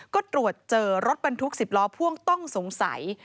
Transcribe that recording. ก็ตรวจเจอรถบรรทุก๑๐ล้อพ่วงต้องสงสัย